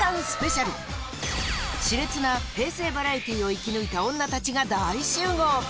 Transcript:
しれつな平成バラエティーを生き抜いた女たちが大集合。